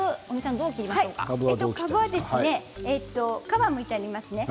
かぶは皮をむいてありますね。